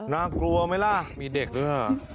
น่ากลัวไหมล่ะมีเด็กหรือเปล่า